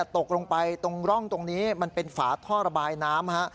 ตกลงไปตรงร่องตรงนี้มันเป็นฝาท่อระบายน้ำ